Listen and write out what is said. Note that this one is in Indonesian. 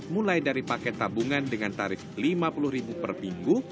mulai dari paket tabungan dengan tarif rp lima puluh per minggu